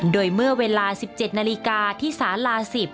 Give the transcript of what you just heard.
โดยเมื่อเวลา๑๗นาฬิกาที่สาลา๑๐